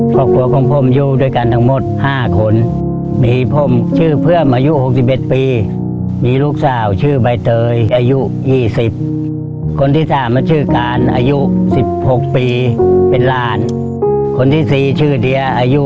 โปรดติดตามตอนต่อไป